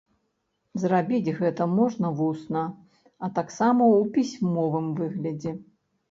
Зрабіць гэта можна вусна, а таксама ў пісьмовым выглядзе.